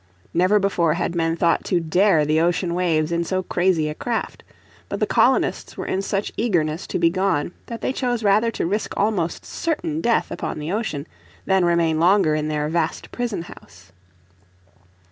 Never before had men thought to dare the ocean waves in so crazy a craft. But the colonists were in such eagerness to be gone that they chose rather to risk almost certain death upon the ocean than remain longer in their vast prison house.